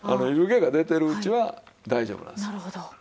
湯気が出てるうちは大丈夫なんですよ。